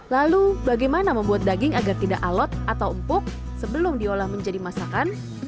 lalu bagaimana membuat daging agar tidak alot atau empuk sebelum diolah menjadi masakan